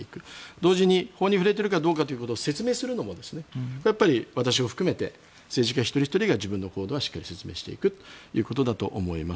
同時に法に触れているかどうかを説明するのも、私を含めて政治家一人ひとりが自分の行動はしっかり説明していくということだと思います。